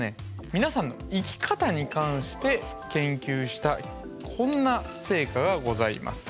皆さんの生き方に関して研究したこんな成果がございます。